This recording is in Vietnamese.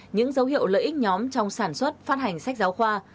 những dấu hiệu lợi ích nhóm trong sản xuất phát hành sách giáo khoa